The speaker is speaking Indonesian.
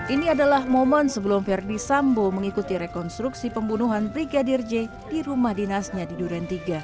ini adalah momen sebelum verdi sambo mengikuti rekonstruksi pembunuhan brigadir j di rumah dinasnya di duren tiga